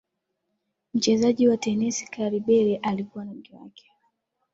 mchezaji wa tenisi karl behr alikuwa na mke wake